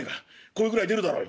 声ぐらい出るだろうよ。